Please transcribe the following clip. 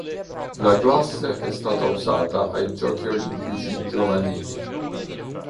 La classe è stata usata ai Giochi Olimpici Giovanili.